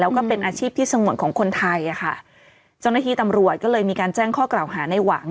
แล้วก็เป็นอาชีพที่สงวนของคนไทยอ่ะค่ะเจ้าหน้าที่ตำรวจก็เลยมีการแจ้งข้อกล่าวหาในหวัง